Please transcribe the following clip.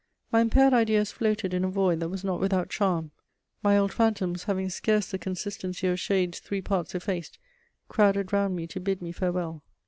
My impaired ideas floated in a void that was not without charm; my old phantoms, having scarce the consistency of shades three parts effaced, crowded round me to bid me farewell.